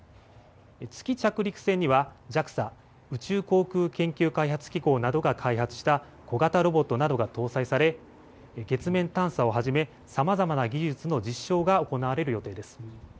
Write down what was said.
月着陸船にはＪＡＸＡ・宇宙航空研究開発機構などが開発した小型ロボットなどが搭載され月面探査をはじめさまざまな技術の実証が行われる予定です。